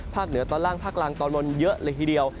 เหนือตอนล่างภาคล่างตอนบนเยอะเลยทีเดียว